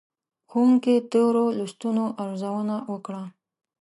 ښوونکي تېرو لوستونو ارزونه وکړه.